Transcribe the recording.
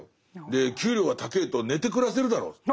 で給料が高ぇと寝て暮らせるだろって。